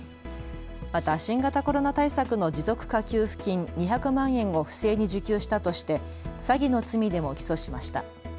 また新型コロナ対策の持続化給付金２００万円を不正に受給したとして詐欺の罪でも起訴しました。